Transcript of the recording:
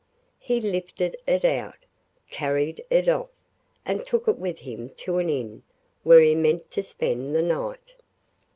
He lifted it out, carried it off, and took it with him to an inn where he meant to spend the night.